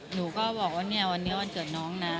หนูก็บอกว่าเนี่ยวันนี้วันเกิดน้องนะ